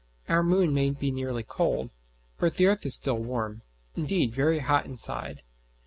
Our moon may be nearly cold, but the earth is still warm indeed, very hot inside.